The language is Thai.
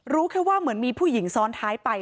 รู้แค่ว่าเหมือนมีผู้หญิงซ้อนท้ายไป